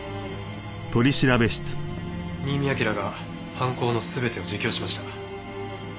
新見アキラが犯行の全てを自供しました。